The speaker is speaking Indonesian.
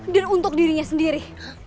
dan untuk dirinya sendiri